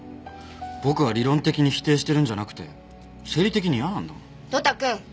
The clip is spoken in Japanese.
僕は理論的に否定してるんじゃなくて生理的に嫌なんだもん。